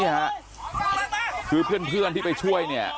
ค่ะคือเพื่อนที่ไปช่วยเนี่ย